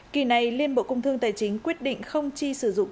kỳ này liên bộ công thương tài chính quyết định không chi sử dụng